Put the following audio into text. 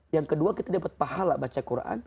yang kedua kita dapat pahala baca quran